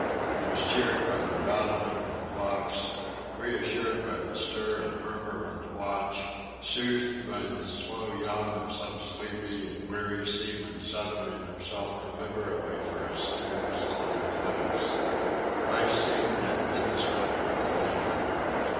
He was cheered by the rattling of blocks, reassured by the stir and murmur of the watch, soothed by the slow yawn of some sleepy and weary seaman settling himself deliberately for a snooze on the planks. Life seemed an indestructible thing.